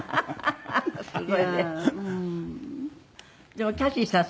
でもキャシーさん